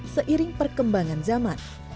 seiring perkembangan zaman